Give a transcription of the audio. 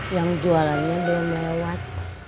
yang jualannya belum lewat